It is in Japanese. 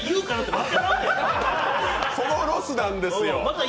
そのロスなんですよ。